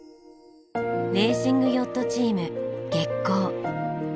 レーシングヨットチーム「月光」。